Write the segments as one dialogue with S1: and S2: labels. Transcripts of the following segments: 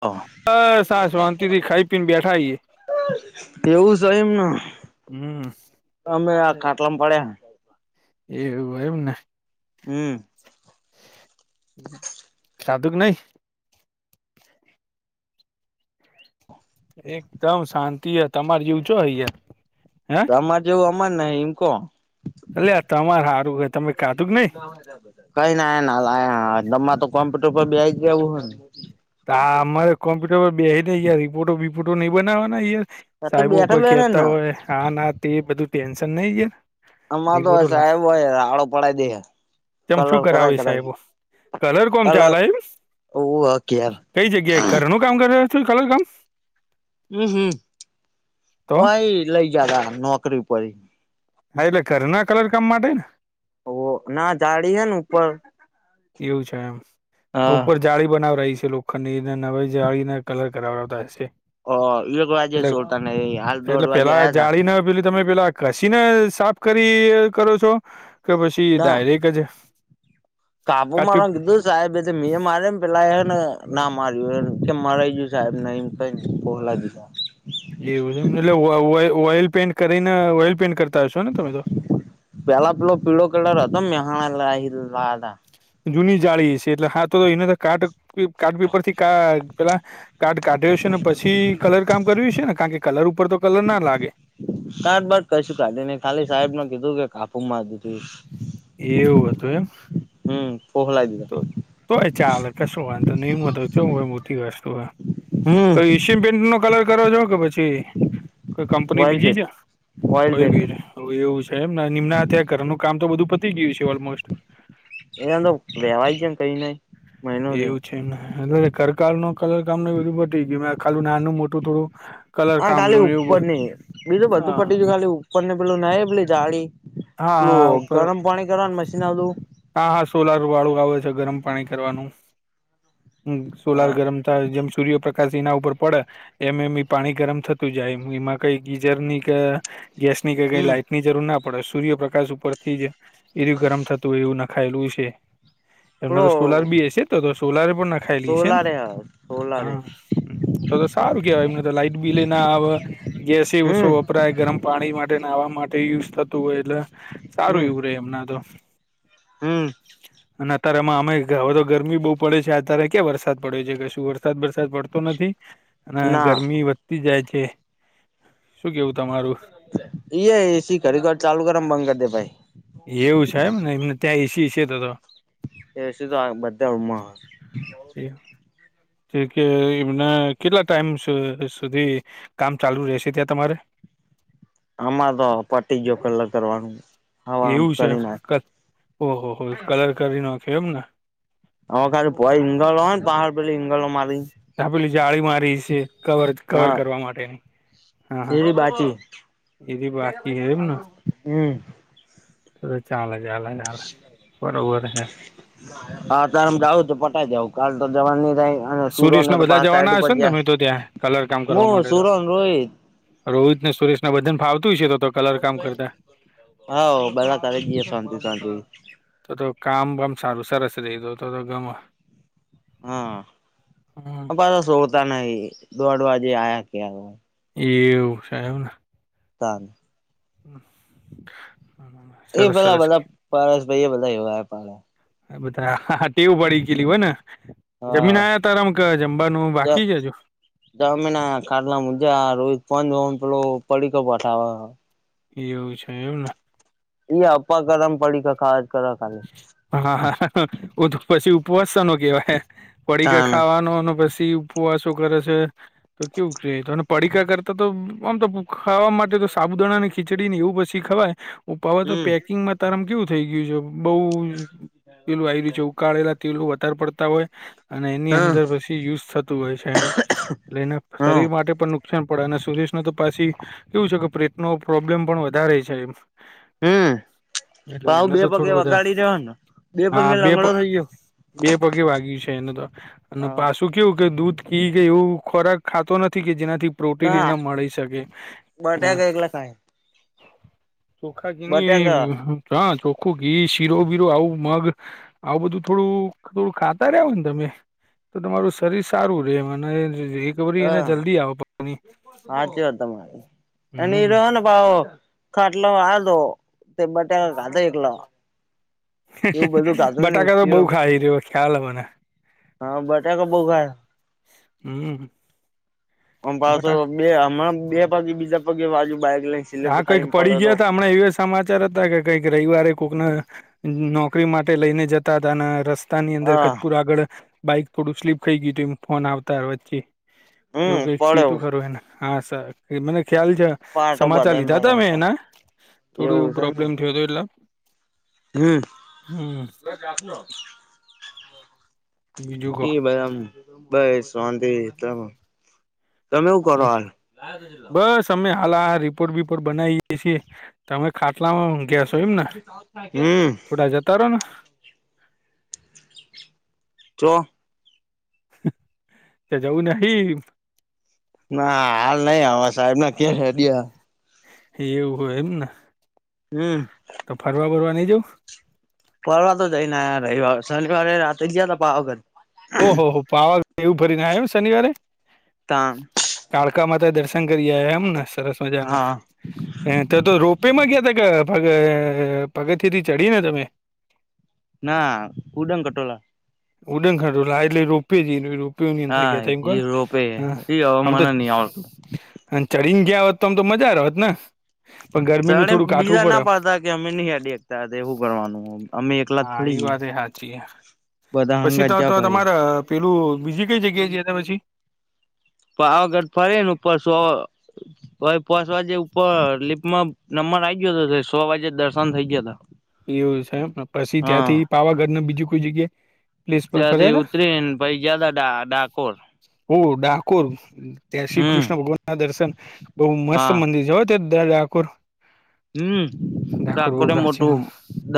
S1: હા
S2: બસ, આ શોંતિથી ખાઈ પીને બેઠા હીએ.
S1: એવું જ શ ઈમ ન,
S2: હમ
S1: અમે આ ખાટલામ પડ્યાહે.
S2: એવુંહ ઈમન.
S1: હમ.
S2: ખાધુક કે નય? એકદમ શાંતિ અ.
S1: તમાર જેવું અમાર નહી ઈમ કો.
S2: અલ્યા તમાર હારું હ, તમે કાધું કે નઈ?
S1: આ રા બધા. કઈ ને ના લાયા, તમાર તો કોમ્પ્યુટર પર બેહીજ રેવું હન?
S2: તા અમાર કોમ્પ્યુટર પર બેહી ને અયા રિપોર્ટો બિપોર્ટો નય બનાવાના યાર
S1: હે એ તો
S2: સાઈબો
S1: બેઠા
S2: કોઈ
S1: બેઠા
S2: કેતા
S1: ને
S2: હોય હા ના તે બધું ટેન્શન નય એ.
S1: અમાર તો સાહેબ હોય, રાળો પળાઈ દેહ.
S2: કેમ શું કરાવી સાઈબો, કલર કોમ ચાલે ઈમ?
S1: હોવ ઘેર
S2: કઈ જગ્યાએ? ઘરનું કામ કરો છો, કલર કામ?
S1: અહ,
S2: તો
S1: ઓય લઈ ગ્યાતા નોકરી પર ઈ.
S2: હા, એટલે ઘરના કલર કામ માટેને.
S1: ઓ ના જાડી હે ને ઉપર
S2: એવું છે એમ,
S1: હા
S2: ઉપર જાળી બનાવરાઈ છે લોખંડની એ નવી જાળીને કલર કરાવતા હશે.
S1: અ એક વાગે
S2: એટલે,
S1: સોલતા ને હાલ દોઢ
S2: એટલે
S1: વાગે
S2: પેલા
S1: આયા તા
S2: જાળીને પેલી તમે પેલા કસીને સાફ એ કરી કરો છો કે, પછી ડાયરેક જ
S1: કાબુ મા
S2: કાપી
S1: રાખ દુ સાએબે જે મેં માર્યું પેલા એન ના માર્યું એ કે મારાય ગયું સાએબ નય. તય બોલાઈ દીધા.
S2: એવું છે એમ એટલે વો વોઇ ઓઇલ પેઇન્ટ કરીને ઓઇલ પેઈન્ટ કરતા હશો ને તમે તો?
S1: પેલા પેલો પીળો કલર હતો, મેહણા લઈ લાયા તા.
S2: જૂની જાળી સે એટલે હા તો એને તો કાર્ટ પેપ કાટ પેપર થી કાઆ પેલા કાર્ડ કાઢ્યો સે ને પછી કલર કામ કર્યું સે ને, કાણ કે કલર ઉપર તો કલર ના લાગે.
S1: તાટબાટ કશું કાઢીને ખાલી સાએબ ન કીધું કે કાપુ માર દીધું.
S2: એવું અતું એમ?
S1: હમ્મ પોહલાય દી
S2: તો તોય ચાલે કશું વાંધો નહીં હોય તો નહી તો કે હો મોટી વસ્તુ હો.
S1: હમ
S2: કોઈ સિમ પેન્ટ નો કલર કરવા જો કે પછી કોઈ કંપની
S1: ઓઇલ
S2: બીજી
S1: પેન્ટ
S2: છે
S1: ઓઇલ
S2: કોય
S1: પેન્ટ
S2: બી રે. હ એવું છે એમ નિમ્ અત્યારે ઘરનું કામ તો બધું પતી ગયું છે ઓલમોસ્ટ.
S1: એમ જ લેવાય છે કઈ નહીં.
S2: એવું છે ને એમ એટ કરકાળ ન કલરકામ ન બધું પટી ગયુ ને ખાલુ નાનું મોટું થોડું કલર
S1: હા ખાલી
S2: કામનું એવું
S1: ઉપર
S2: બ
S1: ની બીજું બધું
S2: હા
S1: પટી ગયું ખાલી તમને ને પેલું નનહીં પેલી જાડી
S2: હા હા
S1: પેલું
S2: ઉપર
S1: ગરમ પાણી કરવાનું મશીન આલુ
S2: હા હા સોલાર વાળું આવે છે ગરમ પાણી કરવાનું હમ્મ સોલાર
S1: હા
S2: ગરમ જ્યારે જેમ સૂર્યપ્રકાશ એના ઉપર પડે એમ એમ ઈ પાણી ગરમ થતું જાય એમાં કઈ ગીઝર ની ક ગેસ ની કઈ કઈ
S1: હમ
S2: લાઈટ ની જરૂર ના પડે સૂર્યપ્રકાશ ઉપર થી જ એરું ગરમ થ વોલુ નાખાયેલું છે. એમના
S1: પેલો
S2: તો સોલાર બી સે તો સોલાર પણ નાખાયલી છે ને
S1: સોલારે હ સોલારે.
S2: હા તો તો સારું કેવાય એમને તો લાઈટ બીલએ ઈ આવે ગેસે ઓછો
S1: હમ
S2: વપરાય ગરમ પાણી માટે નાહવા માટે યુઝ થતું હોય એટલે સારું વું રહેે એમના તો
S1: હમ્મ.
S2: અને અત્યારે એમાં અમે હવે તો ગરમી બહુ પડે છે અત્યારે ક્યા વરસાદ પડ્યો છે કશું વરસાદ બરસાદ પડતો નથી ના ગરમી વ ઘતી જાય છે. શું કેવું તમારું?
S1: એ એ સી ઘરે ઘર ચાલુ કર બંધ કરી દે ભાઈ
S2: એવું છે એમ ને એમને ત્યાં એ સી છે તો તો.
S1: એ તો આ બધા રૂમ માં આહે.
S2: એવું? જે કે એમને કેટલા ટાઈમ સુ-સુધી કામ ચાલુ રહેશે ત્યાં તમારે?
S1: આમાં તો પતી ગયો કલર કરવારનું.
S2: એવું છે ક ઓહો હો કલર કરી નાખે એમને?
S1: હ ખાલી પોય ઇંગલ હો પહાર પેલી ઇંગગલ મારી
S2: આપેલી જાળી મારી છે કવર અહ કવર કરવા માટે ની.
S1: એવી બાકી
S2: એથી બાકી હે
S1: હમ્મ.
S2: તોએ ચાલે ચાલે ચાલે બરોબર હે.
S1: હા તારેમ ગાળો તો પટાઈ દેવું કાલ તો જવાનું નહીં કાઈ.
S2: સુરશ ને બધા જવાના અશો ને તમે તો ત્યાં કલર કામ કરવા
S1: હું
S2: માટે તો?
S1: સુરોન રોહિત
S2: રોહિત ને સુરેશ ના બધાને ફાવતું હશે તો તો કલર કામ કરતા
S1: હા બધા કરી દઇએ શાંતિ શાંતિ
S2: તો તો કામ પણ સારું સરસ રહી તો તો તમે હમ
S1: હા સોડતા નહી દોઢ વાગે આયા ત્યારે
S2: એવું છે એમને
S1: સારુ
S2: હ
S1: એ બધા બધા પારસભાઈ એ બધા એવા પાડે
S2: હ બધા હા હા ટેવ પડી ગેયલી હોય ને જમીન આયા
S1: હા
S2: તારમ કે જમવાનું બાકી છે હજુ
S1: જમીન આયા ખાટલા મુજા રોજ પ પેલો પડીકા બતાવે હે
S2: એવું છે એવુને
S1: એ અપા કરમ પડીકા ખાયા જ કરે ખાલી
S2: હા હા ઓ તો પછી ઉપવાસ સાનો કેવાય પડીકા
S1: તાન
S2: ખાવાનો અને પછી ફુવા શુ કરે છે તો કેવું કે તો પડીકા કરતા તો આમ તો ખાવા માટે તો સાબુદાણા ને ખીચડી ને એવું પછી ખવાય અવે તો
S1: હમ
S2: પેકિંગમાં તારામ કેવું થઈ ગયું છે બહુ પેલું આવી રહ્યું છે ઉ કળેલા પેલું વધારે પડતા હોય અને એની
S1: હમ
S2: અંદર પછી યુઝ થતું હોય છે એમ. એટલે ઈને
S1: હમ
S2: શરીર માટે પણ નુકસાન પડે અને સુરેશ ને તો પછી. એવું છે કે પ્રેટનો પ્રોબ્લેમ પણ વધારે છે એમ
S1: હમ
S2: એટલે
S1: આવ
S2: એને તો
S1: બે પગે
S2: થોડું વધારે
S1: વગાડી દેવાયને બે
S2: હા
S1: પગે
S2: પ
S1: લંગડો થઈ ગયો.
S2: બે પગે વાગ્યુ છે એને તો અને
S1: હા
S2: પાસ શું કેવું કે દૂધ પી ગઈ હોવ એવું ખોરાક ખાતો નથી કે જેનાથી પ્રોટીન
S1: ના
S2: એના મળી શકે.
S1: બટાકા એકલા ખાય
S2: ચોખા જની
S1: બટાકા
S2: ચોખ આખું ઘી શીરો બીરો આવું મગ આવું બધું થોડું થોડું ખાતા રહ્યો ને તમે. તો તમારું શરીર સારું રહેે એમ અને રિકવરી એને
S1: હા
S2: જલ્દી આવે
S1: સાચી વાત તમારી અને ઇ
S2: હમ
S1: ભ ખાટલા વા દો તેબટ સાથે થેપલા નહી
S2: બટાકા તો બહુ
S1: સિરમ
S2: ખાઈ રહ્યો ખ્યાલ હ મને.
S1: હા બટાકા બહુ ખાયા.
S2: હમ્મ.
S1: પણ પાછો બે હમણાં બે પગે બીજા પગે વાગ્યું બાઈક લઈ.
S2: હા કંઈક પડી ગયા તો હમણા એ સમાચાર હતા કે કંઈક રવિવારે કોઈકને નોકરી માટે લઈને જતા હતા અને રસ્ તા ની અંદર
S1: હા
S2: કતપૂર આગળ બાઈક થોડું સ્લીપ થઈ ગયું એ ફોન આવતા વચ્ચે
S1: હમ
S2: એવું કઈક
S1: પડ્યો
S2: થયુ ખરું હેને હા સર એ મને ખ્યાલ છે.
S1: પાટો
S2: સમાચાર
S1: બધાને
S2: લીધા
S1: પડ્યો
S2: હતા મેં
S1: હતો
S2: એના થોડું એવું પ્રોબ્લેમ થયો તો એટલે
S1: હમ્મ.
S2: હમ બીજું કહો
S1: એ બધાં અમ બસ શાંતિ તમે હુ કરો હાલ
S2: સમયે હાલા રિપોર્ટ વિપોર્ટ બનાઈ ગઈ છે. તમે ખાટલામાં ઉધયા છો એમને
S1: હમ
S2: થોડા જતા રહો ને.
S1: ચો.
S2: તો જવુ નહી.
S1: ના હાલ નહી, હ સાહેબ ના કે રેડ
S2: યુકો એમને
S1: હમ્મ.
S2: તો ફરવા-ફરવા નહીં જાઉં.
S1: ફરવા તો જઈને, રવિ-શનિવારે રાત્ર જ ગયા હતા, પાગત
S2: ઓહ હો, પાવા એવું ભરીને, આવ એમ શનિવારે
S1: તાં
S2: કાળકા માતા દર્શન કરી આયા, એમને સરસ મજાના.
S1: હા
S2: હે તો, તો રોપેમાં કયાં ત પગ પગથથીથી ચડી ને તમે.
S1: ના કૂડન કટોળા
S2: ઉડન ખટોલા રોપે જ.
S1: હા એ રોપે એ હવે મને નહી આવડતું
S2: [unintelligible] અને ચડીને ગયા હોત તો, આમ તો મજા હોત ને, પણ ગરમીનું
S1: સરે
S2: થોડું કાઠવું
S1: બીજા
S2: પડે.
S1: ના પાડતા કે અમે નહી દેખા, એવુ ભણવાનું.
S2: હા, એ વાત સાચી,
S1: બધા
S2: પછી
S1: હંગાત
S2: તો
S1: જા
S2: તો
S1: ભાઈ
S2: તમારા પેલું બીજી કઈ જગ્યાએ પછી.
S1: પાવાગઢ ફરે ને પશુ તો પાંચ વાગે ઉપર લીપમાં નમમર આ ગયો હતો, સો વાગે દર્શન થઇ ગયા હતા.
S2: એવું છે, એમને પછી ત્યાંથી પાવાગઢ બીજું કોઈ જગ્યાએ પ્લેસ પર ફર્યા
S1: ત્યાંથી
S2: તા
S1: ઉતરીને પહિ ગ્યાતા ડાકોર.
S2: હો, ડાકોર ત્યાં શ્રી
S1: હમ
S2: કૃષ્ણ ભગવાન ના દર્શન બહુ મસ્ત
S1: હા
S2: મંદિર છે હોત. ત દ ડાકોર. [unintelligible]
S1: હમ,
S2: ડાકોર બહુ
S1: ડાકોરે મોટું
S2: પ્રાચીન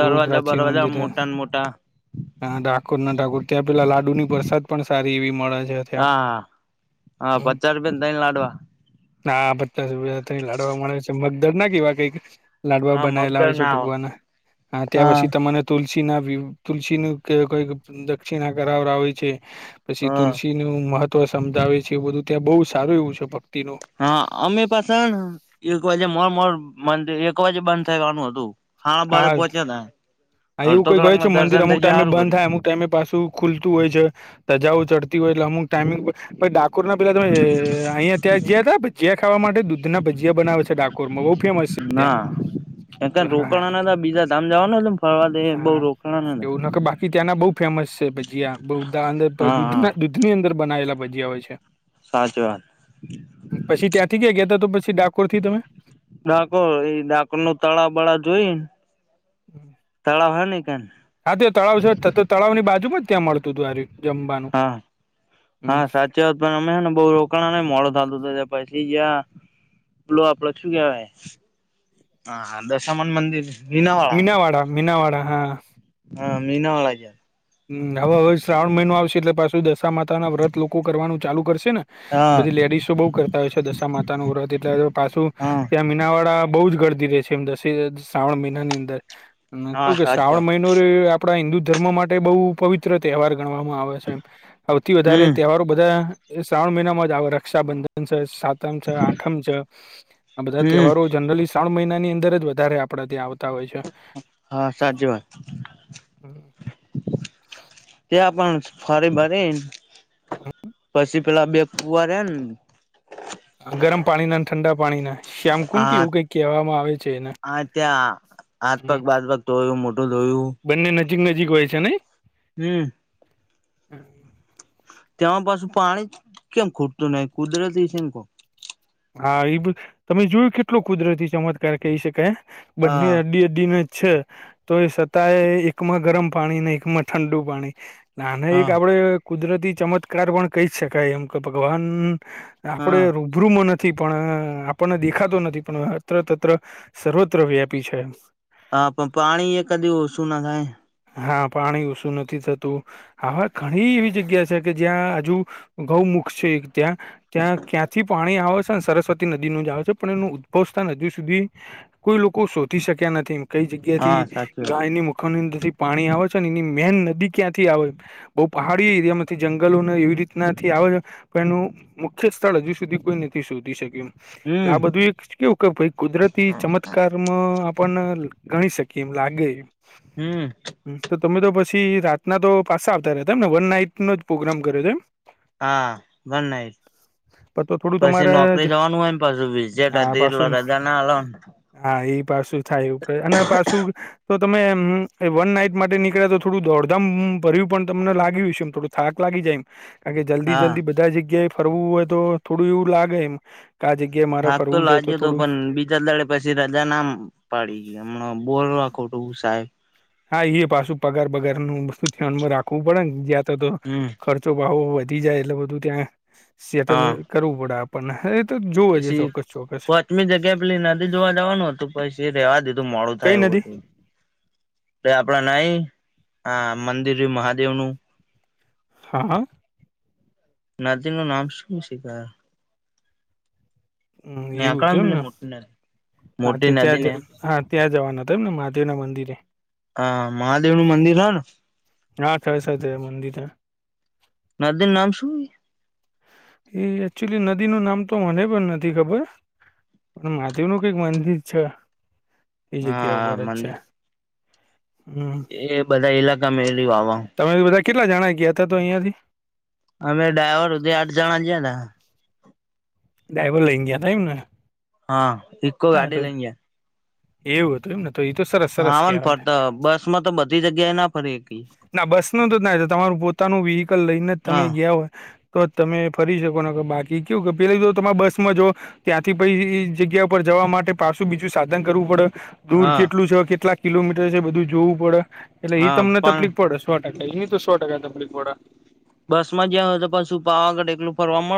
S2: બહુ પ્રાચીન મંદિર હે
S1: મોટા ને મોટા.
S2: હા, ડાકોર ના ઠાકોર, ત્યાં પેલા લાડુની પરસાદ પણ સારી એવી મળે છે. ત્યાં
S1: હા, આ પચાસ રૂપિયા તઈને લાડવા.
S2: ના બધા સુ લડવાવામાં મળે છે, મગદળના કે એવા કઈક લાડવા
S1: હા
S2: બનાવેલા
S1: મગદર
S2: હોય છે,
S1: ના આવે
S2: ભગવાને ત્યાં
S1: હા
S2: પછી તમને તુલસી ના તુલસી ન કોઈક દક્ષિણા કરાવરાવે છે. પછી
S1: હા
S2: તુલસી નું મહત્વ સમજાવે છે, વ બધું ત્યાં બહુ સારું એવું છે, ભક્તિનું.
S1: હા, અમે પાસે એક વાજે મોરર મિર એક વાજે બંધ થવાનું હતું. બારે
S2: હા,
S1: પહોંચ્યા તા
S2: હા એવું
S1: અડધો
S2: કઈ હોય છે,
S1: કલાકમાં
S2: મંદિર
S1: દર્શન
S2: અમુક
S1: થઈ ગયા
S2: ટાઈમે
S1: હારું
S2: બંધ
S1: કર્યું
S2: થાય, અમુક ટાઈમે પાછું. ખુલતું હોય છે, ધજાઓ ચડતી હોય, એટલે અમુક ટાઈમંગ કોરોના પેલા તમે અહિયાયા ત્યાં ગયા હતા છે. ભજીયા ખાવા માટે દૂધના ભજીયા બનાવે છે, ડાકોર માં બહુ ફેમસ છે, ત્યાં
S1: ના ક
S2: હા.
S1: રોકાણા બીજા ધામ જવાના હતા ફરવા દે બઉ
S2: હા,
S1: રોકાણા નતા
S2: એવું ન કે બાકી ત્યાંના બહ ફેમસ છે, ભજીયા. બધા અંદર
S1: હા હા
S2: દૂધના, દૂધ ની અંદર બનાવેલા ભજીયા હોય છે.
S1: સાચી વાત.
S2: પછી ત્યાંથી ગયાં ગયાતા તો, પછી ડાકોર થી તમે
S1: ડાકોર એ, ડાકોર નું તળાવ બળા જોઈને, તળાવ હો ને ઈ કન.
S2: હા, તો તળાવ છે, ત ત તળાવ ની બાજુમાં જ ત્યાં મળતું હતું આર્યુ.
S1: હા, હા, સાચ વાત પણ અમે હે ને, બહુ મોડો થતું હતું ને, પછી જયાં પલો આપડો શું કેવાય? હા, હા, દશામાના મંદિર મીના વાળા
S2: મીનાવાડા, મીનાવાડા હા.
S1: હા, મીનાવાળા જ્યાં
S2: હ હવે હવે શ્રાવણ મહિનો આવશે એટલે પાછું દશા માતા ના વ્રત લોકો કરવાનું ચાલુ કરશે ને
S1: હા
S2: બધી લેડીઝ બહુ કરતા હોય છે દશા માતા નું વ્રત એટલે પાછું
S1: હા
S2: ત્યાં મીનાવાડા બહુ જ ગરદી રહે છે એમ દ શ્રાવણ મહિનાની અંદર
S1: હા
S2: કેવું કે
S1: સાચી
S2: શ્રાવણ
S1: વાત
S2: મહિના [unintelligible] આપણા હિન્દુ ધર્મ માટે બહુ પવિત્ર તહેવાર ગણવામાં આવે [unintelligible] હઉથી વધારે
S1: હમ
S2: તહેવારો બધા શ્રાવણ મહિનામાં જ આવે રક્ષાબંધન છે [unintelligible] આઠમ છે આ બધા
S1: હમ
S2: તહેવારો જનરલી શ્રાવણ મહિનાની અંદર જ વધારે આપડે ત્યાં આવતા હોય છે.
S1: હા સાચી વાત ત્યા પણ ફરી ભરી પછી પેલા બે ફુવા રેયા
S2: ગરમ પાણીના ઠંડા પાણીના શ્યામ કુડ કે
S1: હા
S2: એવું કઈ કહેવામાં આવે છે એને.
S1: હા ત્યાં હાથ પગ
S2: હમ
S1: બાદ પગ ધોયું મોઢું ધોયું.
S2: બંને નજીક નજીક હોય છે નઈ
S1: હમ્મ તેમાં પાછું પાણી કેમ ખુટતું નહિ કુદરતી છે ને કો
S2: હા એ બ તમે જોયું કેટલુ કુદરતી ચમત્કાર કહી શકાય બંને
S1: હા
S2: અડી અડીને છે તો એ છતાંય એકમાં ગરમ પાણી ને એકમાં ઠંડુ પાણી ના અના એક
S1: હા
S2: આપડે કુદરતી ચમત્કાર પણ કહી શકાય એમ કે ભગવાન આપડે
S1: હા
S2: રૂબરૂ મન નથી પણ આપણને દેખાતો નથી પણ અત્ર તત્ર સર્વત્ર વ્યાપી છે.
S1: હા પણ પાણી એ કદી ઓછું ના થાય.
S2: હા, પાણી ઓછું નથી થતું. હવે ઘણી એવી જગ્યા છે કે જ્યાં હજુ ગૌમૂખ છે ત્યાં ત્યાં ક્યાંથી પાણી આવે સ ને સરસ્વતી નદીનું જ આવે છે પણ એનું ઉદ્ભવ સ્થાન હજી સુધી કોઈ લોકો શોધી શક્યા નથી કઈ જગ્યાથી
S1: હા સાચી વાત
S2: ગાયની મુખની અંદરથી પાણી આવે છે ને એની મેન નદી ક્યાંથી આવે. બો પહાડી એરિયામાંથી જંગલોને એવી રીતનાથી આવે છ પણ એનું મુખ્ય સ્થળ હજુ સુધી કોઈ નથી શોધી શક્યું
S1: હમ
S2: આ બધું એક કેવું ભાઈ કુદરતી ચમત્કારમાં આપને ગણી શકીએ એમ લાગે.
S1: હમ્મ
S2: હમ, તો તમે તો પછી રાતના તો પાસા આવતા રેયા હતા એમને વન નાઈટ નો જ પ્રોગ્રામ કર્યો હતો એમ.
S1: હા, વન નાઈટ
S2: પણ તો થોડું
S1: પછી
S2: તમારા
S1: નોકરી
S2: જ
S1: જવાનું હોયને પાછું વિજેટ
S2: હા
S1: હતી
S2: પાછું
S1: રજા ના આલો.
S2: હા, એ પાછું થાય એટલે અને પાછું તો તમે વન નાઈટ માટે નીકળ્યા તો થોડું દોડધામ ભર્યું પણ તમને લાગ્યું છે એમ થોડું થાક લાગી જાય એમ. કારણ કે જલ્દી
S1: હા
S2: જલ્દી બધા જગ્યાએ ફરવું હોય તો થોડું એવું લાગે એમ આ જગ્યા
S1: થાક તો લાગ્યો તો પણ બીજા દારે પછી રજા ના મ પાડી હમણા બોરવા ખોટું સાહેબ
S2: હા, એ પાછું પગાર બગારનું વસ્તુ ધ્યાનમાં રાખવું પડે ને જ્યાં તો તો
S1: હમ
S2: ખર્ચ તો ભાવો વધી જાય એટલે બધું ત્યાં સેટલ
S1: હા
S2: કરવું પડે આપણને તો જોવે જ છે ચોક્કસ ચોક્કસ
S1: જગ્યા પેલી નદી જોવા જવાનું હતું પછી એ રેવા દીધું મોડુ
S2: કઈ
S1: થાય એવું
S2: નથી
S1: હતું. એ આપડા નાય હા, મંદિરયુ મહાદેવનું
S2: હા હા.
S1: નદીનું નામ શું છે સી ખર
S2: હમ, એવું
S1: નેકળામ
S2: હતું
S1: પેલી
S2: એમન.
S1: મોટી નદી
S2: હા,
S1: મોટી
S2: તે ત્યાં
S1: નદી ને
S2: જ હા, ત્યાં જવાના હતા, એમ ને મહાદેવ ના મંદિરે.
S1: હા, મહાદેવનું હેના.
S2: હા, કસ છે મંદિરે.
S1: મંદિર નામ શું?
S2: એ એકચુલી નદીનું નામ તો મને પણ નથી ખબર. મહાદેવનું કઈક મંદિર છે, એ જગ્યા
S1: હા
S2: ઉપર જ છે.
S1: મંદિર
S2: હમ
S1: એ બધાં ઈલાકામાં એલી વાવા.
S2: તમે બધાં કેટલા જણા ગયા હતા, તો અહીંયાથી?
S1: અમે ડાહોરથી આઠ જણા ગેલા.
S2: ગયા ટાઈમને.
S1: હા, ઇકો ગાડી લઈ ગયા.
S2: એવું હતું એમને, એતો સરસ સરસ કહેવાય.
S1: જગ્યાના ફરેકી.
S2: ના બસમાંતો ના તમારું પોતાનું વ્હીકલ લઈને જ તમે
S1: હા
S2: ગયા હોય. તો તમે ફરી શકો, બાકી કે, કે પેલા તમે બસ માં જ ત્યાંથી પછી એ જગ્યા જવા માટે પાછું બીજુ સાધન કરવું પડે, દૂર
S1: હા
S2: કેટલું છો? કેટલાક કિલોમીટર છે, બધું જોવું પડે, એટલે એ
S1: હા
S2: તમને
S1: પણ
S2: તકલીફ પડેશ. છો, એની તો સો ટકા
S1: બસ જયા હોય તો, પણ છું પવાગઢે એકટલું ફરવા મળે.